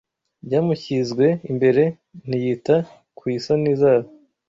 byamushyizwe imbere ntiyita ku isoni zawo”